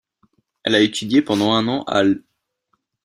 Elle a étudié pendant un an à l'.